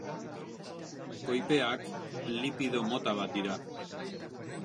Koipeak lipido mota bat dira.